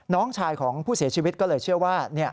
น้องชายของผู้เสียชีวิตก็เลยเชื่อว่า